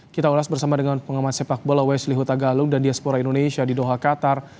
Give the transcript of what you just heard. kita ulas bersama dengan pengamat sepak bola wesley huta galung dan diaspora indonesia di doha qatar